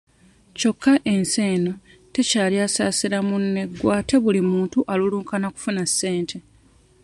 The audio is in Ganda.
Kyokka ensi eno tekyali asaasira munne gwe ate buli muntu alulunkana kufuna ssente.